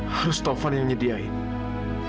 harus taufan yang nyediain